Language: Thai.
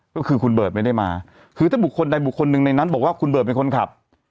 ก็คือคุณเบิร์ตไม่ได้มาคือถ้าบุคคลใดบุคคลหนึ่งในนั้นบอกว่าคุณเบิร์ตเป็นคนขับ